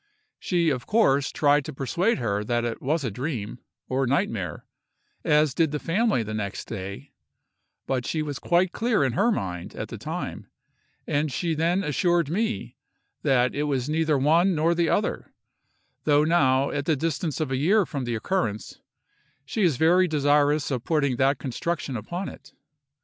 She, of course, tried to persuade her that it was a dream, or night mare, as did the family the next day; but she was quite clear in her mind at the time, as she then assured me, that it was neither one nor the other; though now, at the distance of a year from the occurrence, she is very desirous of putting that construction upon it.